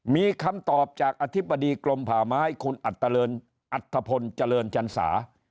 มีคำตอบจากอธิบดีกรมผ่าไม้คุณอัธพลเจริญจันสา